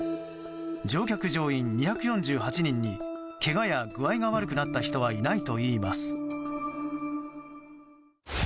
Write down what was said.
乗客・乗員２４８人にけがや具合が悪くなった人はいないといいます。